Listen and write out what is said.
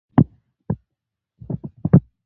• لور د کور د ښکلا ګل وي.